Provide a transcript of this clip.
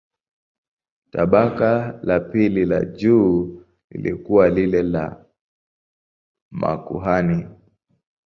Tabaka la pili la juu lilikuwa lile la makuhani.